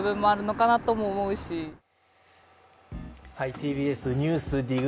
ＴＢＳＮＥＷＳＤＩＧ